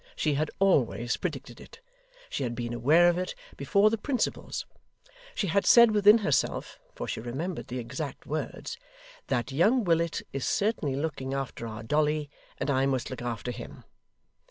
She had always predicted it. She had been aware of it before the principals. She had said within herself (for she remembered the exact words) 'that young Willet is certainly looking after our Dolly, and I must look after HIM.